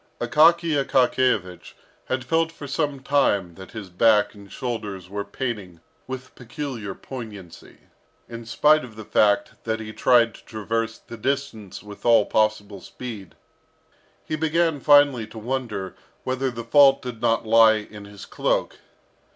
Akaky Akakiyevich had felt for some time that his back and shoulders were paining with peculiar poignancy, in spite of the fact that he tried to traverse the distance with all possible speed. He began finally to wonder whether the fault did not lie in his cloak.